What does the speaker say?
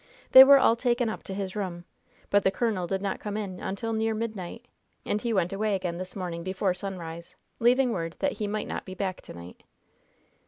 They were all taken up to his room, but the colonel did not come in until near midnight, and he went away again this morning before sunrise, leaving word that he might not be back to night."